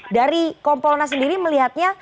dari kompolnas sendiri melihatnya